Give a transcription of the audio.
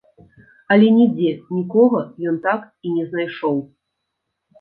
Але нідзе нікога ён так і не знайшоў.